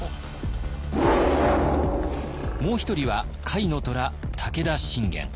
もう一人は甲斐の虎武田信玄。